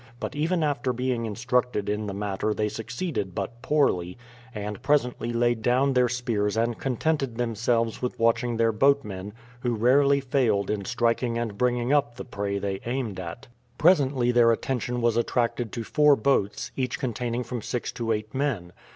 But even after being instructed in the matter they succeeded but poorly, and presently laid down their spears and contented themselves with watching their boatmen, who rarely failed in striking and bringing up the prey they aimed at. Presently their attention was attracted to four boats, each containing from six to eight men.